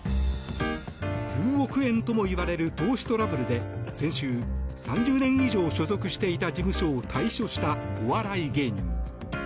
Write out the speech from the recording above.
数億円ともいわれる投資トラブルで先週、３０年以上所属していた事務所を退所したお笑い芸人。